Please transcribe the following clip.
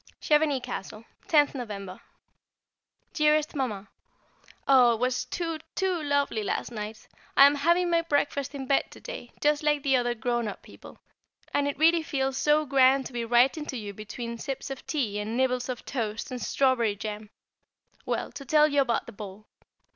Chevenix Castle, 10th November. [Sidenote: A Modern Industry] Dearest Mamma, Oh! it was too, too lovely, last night. I am having my breakfast in bed to day, just like the other grown up people, and it really feels so grand to be writing to you between sips of tea and nibbles of toast and strawberry jam! Well, to tell you about the ball.